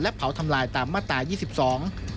และเผาทำลายตามมาตรา๒๒แห่งพระราชบรรยัตรอุทยานแห่งชาติปี๒๕๐๔